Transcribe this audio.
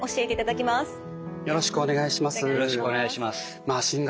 よろしくお願いします。